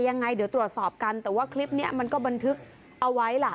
ยังไงเดี๋ยวตรวจสอบกันแต่ว่าคลิปนี้มันก็บันทึกเอาไว้ล่ะ